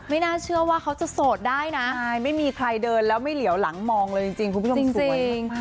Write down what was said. น่าเชื่อว่าเขาจะโสดได้นะไม่มีใครเดินแล้วไม่เหลียวหลังมองเลยจริงคุณผู้ชมสวยจริง